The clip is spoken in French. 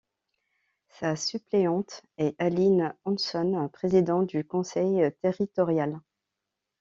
Sa suppléante est Aline Hanson, présidente du conseil territorial.